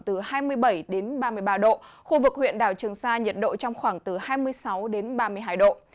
từ hai mươi bảy đến ba mươi ba độ khu vực huyện đảo trường sa nhiệt độ trong khoảng từ hai mươi sáu đến ba mươi hai độ